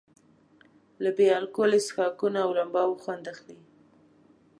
له بې الکولي څښاکونو او لمباوو خوند اخلي.